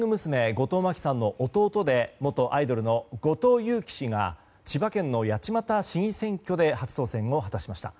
後藤真希さんの弟で元アイドルの後藤祐樹氏が千葉県の八街市議選挙で初当選を果たしました。